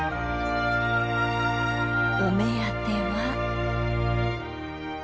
お目当ては。